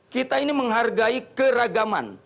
kita ini menghargai keragaman